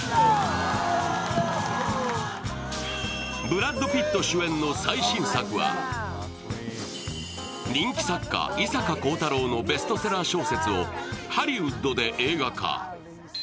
ブラッド・ピット主演の最新作は人気作家・伊坂幸太郎のベストセラー小説をハリウッドで映画化。